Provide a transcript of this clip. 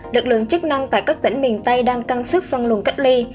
được lượng chức năng tại các tỉnh miền tây đang căng sức phân luận cách ly